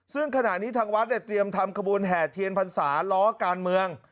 ซึ่งขณะนี้ทางวัดเตรียมทำขบวนแห่เทียนพรรษาล้อการเมือง